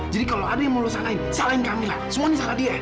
jadi kalau ada yang mau lo salahin salahin kamila semua ini salah dia